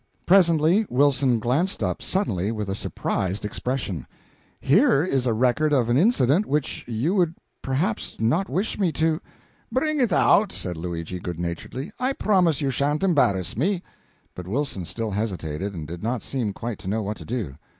Presently Wilson glanced up suddenly with a surprised expression "Here is a record of an incident which you would perhaps not wish me to " "Bring it out," said Luigi, good naturedly; "I promise you it sha'n't embarrass me." But Wilson still hesitated, and did not seem quite to know what to do.